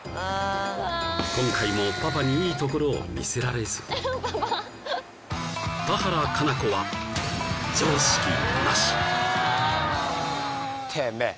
今回もパパにいいところを見せられずパパ田原可南子はええー？